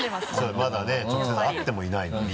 まだね直接会ってもいないのに。